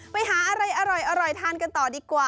ไปหาอะไรอร่อยทานกันต่อดีกว่า